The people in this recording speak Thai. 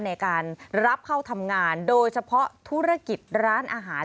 ในการรับเข้าทำงานโดยเฉพาะธุรกิจร้านอาหาร